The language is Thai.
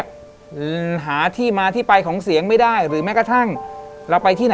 เรนนี่อเรนนี่อเรนนี่อเรนนี่อเรนนี่อเรนนี่